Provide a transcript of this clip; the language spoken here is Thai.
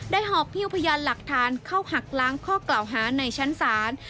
หอบฮิ้วพยานหลักฐานเข้าหักล้างข้อกล่าวหาในชั้นศาล